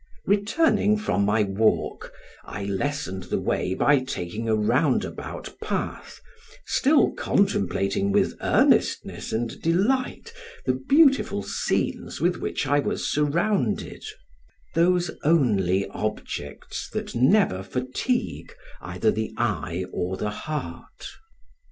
Returning from my walk, I lengthened the way by taking a roundabout path, still contemplating with earnestness and delight the beautiful scenes with which I was surrounded, those only objects that never fatigue either the eye or the heart.